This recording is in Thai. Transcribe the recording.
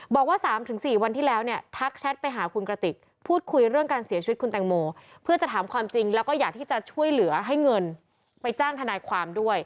บอกว่า๓๔วันที่แล้วเนี่ยทักแชทไปหาคุณกระติกพูดคุยเรื่องการเสียชีวิตคุณแตงโมเพื่อจะถามความจริงแล้วก็อยากที่จะช่วยเหลือให้เงินไปจ้างทนายความด้วย